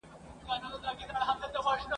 خلک واخلي د باغلیو درمندونه ..